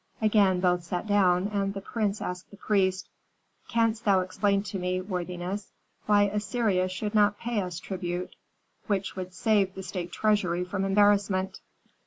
Again both sat down, and the prince asked the priest, "Canst thou explain to me, worthiness, why Assyria should not pay us tribute which would save the state treasury from embarrassment?"